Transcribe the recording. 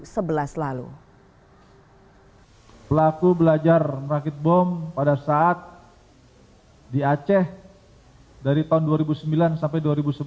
pelaku belajar merakit bom pada saat di aceh dari tahun dua ribu sembilan sampai dua ribu sebelas